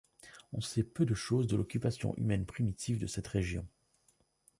On sait peu de choses de l’occupation humaine primitive de cette région.